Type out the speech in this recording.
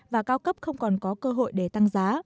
và cao cấp không còn có cơ hội để tăng giá